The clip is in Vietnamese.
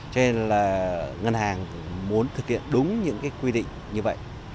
cho nên là ngân hàng muốn thực hiện đúng những cái quy định như vậy